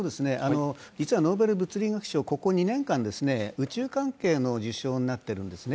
実はノーベル物理学賞、ここ２年間、宇宙関係の受賞になっているんですね。